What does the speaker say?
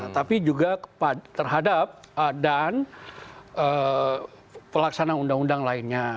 tapi juga terhadap dan pelaksana undang undang lainnya